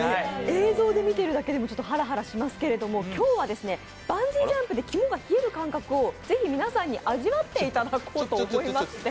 映像で見ているだけでもハラハラしますけれども今日はバンジージャンプで肝が冷える感覚をぜひ皆さんに味わっていただこうと思います。